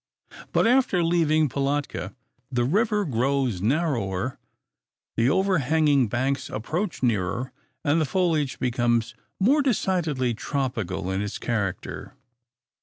But, after leaving Pilatka, the river grows narrower, the overhanging banks approach nearer, and the foliage becomes more decidedly tropical in its character.